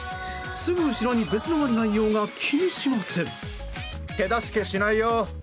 すぐ後ろに別のワニがいようが気にしません。